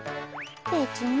べつに。